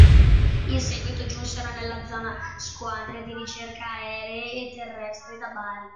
In seguito giunsero nella zona squadre di ricerca aeree e terrestri da Bari.